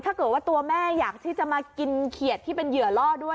ถ้าเกิดว่าตัวแม่อยากที่จะมากินเขียด